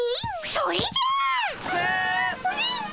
それじゃ！ス！